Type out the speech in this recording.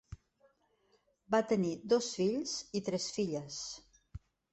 Va tenir dos fills i tres filles.